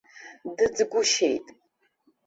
Дыӡгәышьеит!